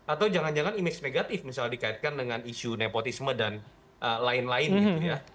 atau jangan jangan image misalnya dikaitkan dengan isu nepotisme dan lain lain gitu ya